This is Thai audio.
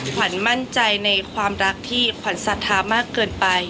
ขวัญมั่นใจในความรักที่ขวัญศรัทธามากเกินไป